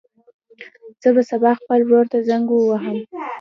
زه به سبا خپل ورور ته زنګ ووهم.